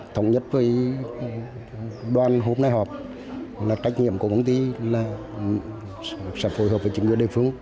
thống nhất với đoàn hôm nay họp là trách nhiệm của công ty là sẽ phối hợp với chính quyền địa phương